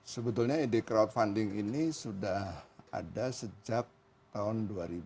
sebetulnya ide crowdfunding ini sudah ada sejak tahun dua ribu tiga belas dua ribu empat belas